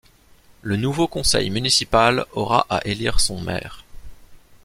Le nouveau conseil municipal aura à élire son maire.